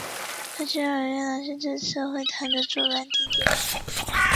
分析认为越南是这次会谈的主办地点。